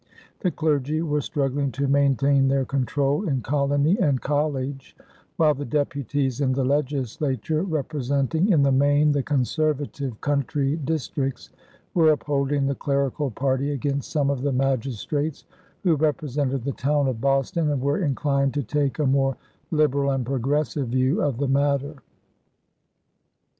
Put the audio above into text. The clergy were struggling to maintain their control in colony and college, while the deputies in the legislature, representing in the main the conservative country districts, were upholding the clerical party against some of the magistrates, who represented the town of Boston and were inclined to take a more liberal and progressive view of the matter.